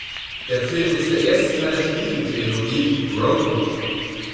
Der Film ist der erste Teil der Spielfilm-Trilogie "Road Movie".